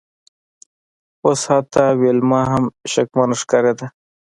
اوس حتی ویلما هم شکمنه ښکاریده